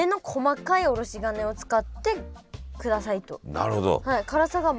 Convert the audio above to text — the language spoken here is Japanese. なるほど。